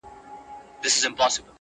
هر سړي به ویل ښه سو چي مردار سو.!